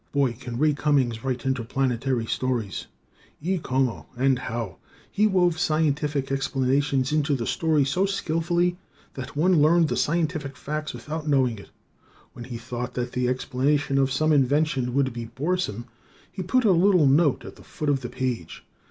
Boy, can Ray Cummings write interplanetary stories! Y como! (And how!) He wove scientific explanations into the story so very skillfully that one learned the scientific facts without knowing it. When he thought that the explanation of some invention would be boresome, he put a little note at the foot of the page.